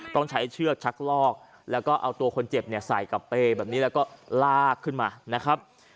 ต้องใช้เชือกชักลอกแล้วก็เอาตัวคนเจ็บเนี่ยใส่กับเป้แบบนี้แล้วก็ลากขึ้นมานะครับ